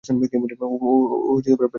ও পে-রোলে আছে।